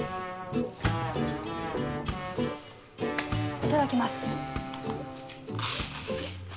いただきます。